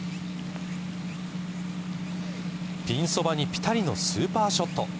ピンそばにぴたりのスーパーショット。